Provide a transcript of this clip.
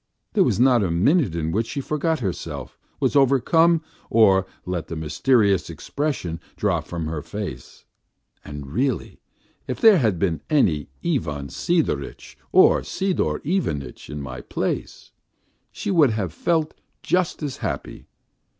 ... There was not a minute in which she forgot herself, was overcome, or let the mysterious expression drop from her face, and really if there had been any Ivan Sidoritch or Sidor Ivanitch in my place she would have felt just as happy.